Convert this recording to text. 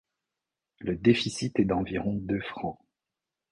Le déficit est d'environ deux francs.